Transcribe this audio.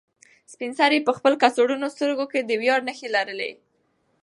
سپین سرې په خپل کڅوړنو سترګو کې د ویاړ نښې لرلې.